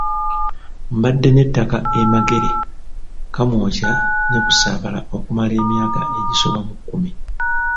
Mbadde n'ettaka e Magere, Kamwokya ne Busabaala okumala emyaka egisoba mu kkumi.